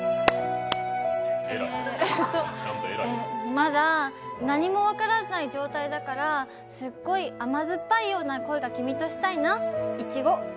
まだ何も分からない状態だから、すっごい甘酸っぱいような恋が君としたいないちご。